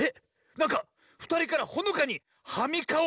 なんかふたりからほのかに「はみかお」